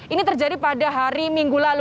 ini terjadi pada hari minggu lalu